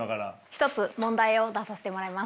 １つ問題を出させてもらいます。